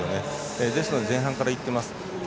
ですので前半からいっています。